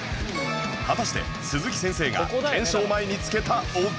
果たして鈴木先生が検証前につけたオッズは？